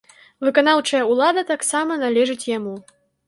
Выканаўчая ўлада таксама належыць яму.